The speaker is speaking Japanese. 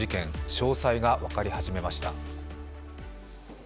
詳細が分かり始めました。